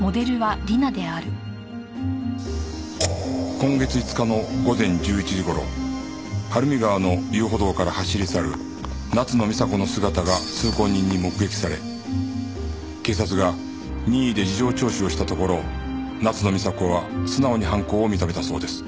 今月５日の午前１１時頃晴海川の遊歩道から走り去る夏野美紗子の姿が通行人に目撃され警察が任意で事情聴取をしたところ夏野美紗子は素直に犯行を認めたそうです。